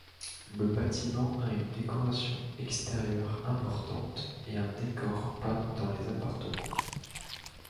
Le bâtiment a une décoration extérieure importante et un décor peint dans les appartements.